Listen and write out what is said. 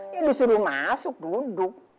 ya disuruh masuk duduk